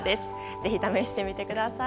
ぜひ試してみてください。